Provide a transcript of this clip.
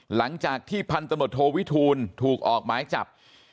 หลังจากที่พันตำรวจโทวิทูลถูกออกหมายจับ